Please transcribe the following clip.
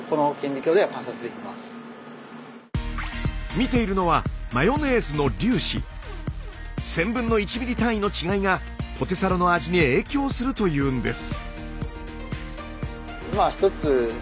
見ているのは１，０００分の１ミリ単位の違いがポテサラの味に影響するというんです。